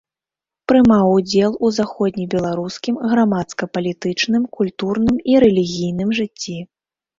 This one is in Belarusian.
Прымаў удзел у заходнебеларускім грамадска-палітычным, культурным і рэлігійным жыцці.